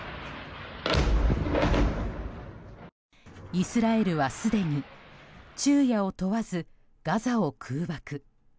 イスラエルは、すでに昼夜を問わずガザを空爆。